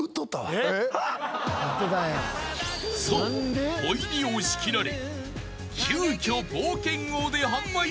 ［そうほいに押し切られ］